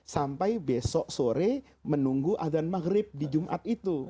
sampai besok sore menunggu azan maghrib di jumat itu